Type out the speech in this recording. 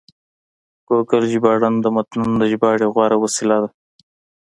ګوګل ژباړن د متنونو د ژباړې غوره وسیله ده.